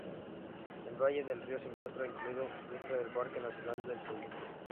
El valle del río se encuentra incluido dentro del Parque nacional del Pollino.